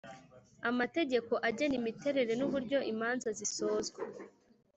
amategeko agena imiterere n uburyo imanza zisozwa